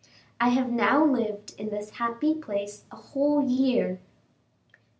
I have now lived in this happy place a whole year.